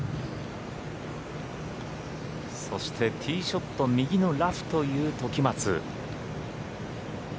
そして、ティーショット右のラフという時松。